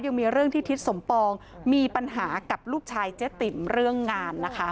ยังมีเรื่องที่ทิศสมปองมีปัญหากับลูกชายเจ๊ติ๋มเรื่องงานนะคะ